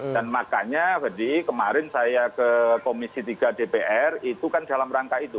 dan makanya jadi kemarin saya ke komisi tiga dpr itu kan dalam rangka itu